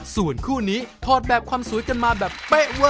ส่วนคู่นี้ถอดแบบความสวยกันมาแบบเป๊ะเวอร์